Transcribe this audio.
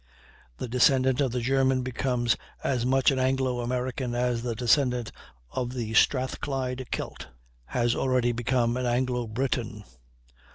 The descendant of the German becomes as much an Anglo American as the descendant of the Strathclyde Celt has already become an Anglo Briton.